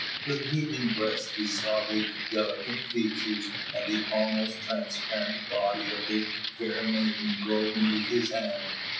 With heaving breast he saw the delicate features and the almost transparent body of the fair maiden grow beneath his hand.